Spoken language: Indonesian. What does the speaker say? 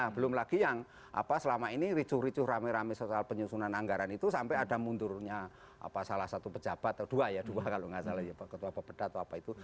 belum lagi yang apa selama ini ricuh ricuh rame rame soal penyusunan anggaran itu sampai ada mundurnya salah satu pejabat atau dua ya dua kalau nggak salah ketua pepeda atau apa itu